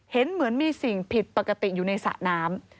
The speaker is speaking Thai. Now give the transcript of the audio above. เห็นเหมือนมีสิ่งผิดปกติอยู่ในสระน้ำ